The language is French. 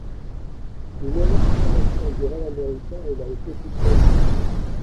Il est l'incarnation du rêve américain et l'a été toute sa vie.